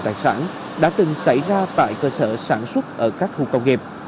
tài sản đã từng xảy ra tại cơ sở sản xuất ở các khu công nghiệp